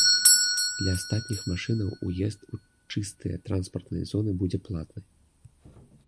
Для астатніх машынаў уезд у чыстыя транспартныя зоны будзе платны.